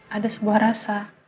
ada sebuah rasa